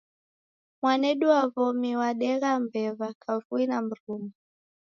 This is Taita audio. Mwanedu wa w'omi wadegha mbew'a kavui na mruma.